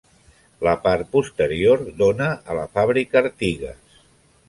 La part posterior dóna a la fàbrica Artigues.